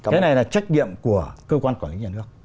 cái này là trách nhiệm của cơ quan quản lý nhà nước